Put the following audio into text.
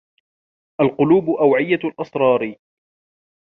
الْقُلُوبُ أَوْعِيَةُ الْأَسْرَارِ